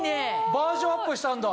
バージョンアップしたんだ？